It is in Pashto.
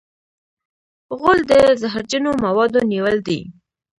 غول د زهرجنو موادو نیول دی.